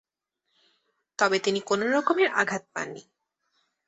তবে তিনি কোন রকমের আঘাত পাননি।